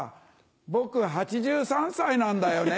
僕８３歳なんだよね。